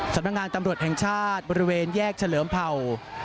สำนักงานตำรวจแห่งชาติบริเวณแยกเฉลิมเผ่า